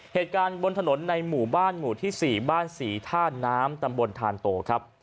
เหตุการณ์บนถนนในหมู่บ้านหมู่ที่๔บ้านศรีท่าน้ำตำบลทานโตครับ